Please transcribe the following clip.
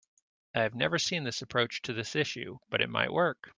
I have never seen this approach to this issue, but it might work.